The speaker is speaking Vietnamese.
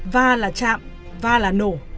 va là chạm va là nổ